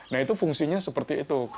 nah itu fungsinya seperti itu